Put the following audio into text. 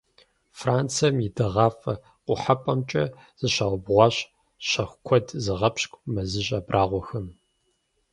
Францием и дыгъафӀэ-къухьэпӀэмкӀэ зыщаубгъуащ щэху куэд зыгъэпщкӏу мэзыжь абрагъуэхэм.